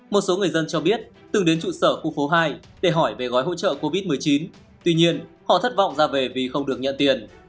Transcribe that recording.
một số người dân cho biết từng đến trụ sở khu phố hai để hỏi về gói hỗ trợ covid một mươi chín tuy nhiên họ thất vọng ra về vì không được nhận tiền